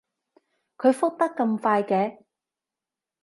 佢覆得咁快嘅